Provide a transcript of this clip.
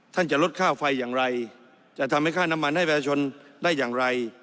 จะลดค่าไฟอย่างไรจะทำให้ค่าน้ำมันให้ประชาชนได้อย่างไร